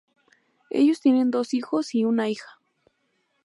Ellos tienen dos hijos y a una hija.